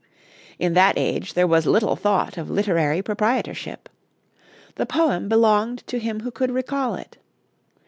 In that age there was little thought of literary proprietorship. The poem belonged to him who could recall it.